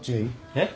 えっ？